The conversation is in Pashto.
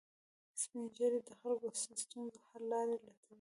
سپین ږیری د خلکو د ستونزو حل لارې لټوي